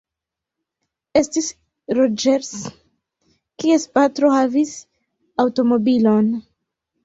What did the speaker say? Estis Roĝers, kies patro havis aŭtomobilon.